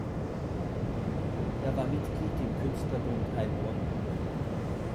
Er war Mitglied im Künstlerbund Heilbronn.